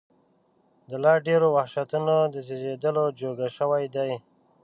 د لا ډېرو وحشتونو د زېږولو جوګه شوي دي.